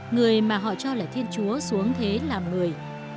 người mà họ cho là thiên chúa xuống thế làm người